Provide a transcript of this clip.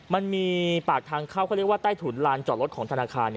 มันมีปากทางเข้าเขาเรียกว่าใต้ถุนลานจอดรถของธนาคาร